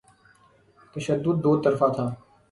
تشدد دوطرفہ تھا۔